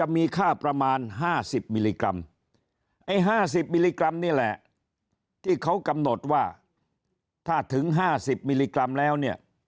มีค่าประมาณ๕๐มิลลิกรัมไอ้๕๐มิลลิกรัมนี่แหละที่เขากำหนดว่าถ้าถึง๕๐มิลลิกรัมแล้วเนี่ย